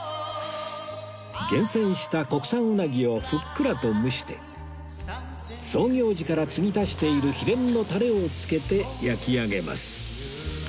厳選した国産うなぎをふっくらと蒸して創業時から継ぎ足している秘伝のタレをつけて焼き上げます